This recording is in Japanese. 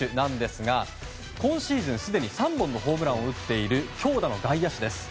今シーズンすでに３本のホームランを打っている強打の外野手です。